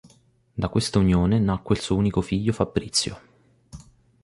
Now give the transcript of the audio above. Da questa unione nacque il suo unico figlio Fabrizio.